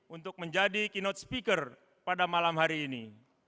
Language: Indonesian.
untuk menjadi keynote speaker pada malam hari ini